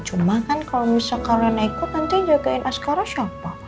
cuma kan kalau misalnya karena ikut nanti jagain askara siapa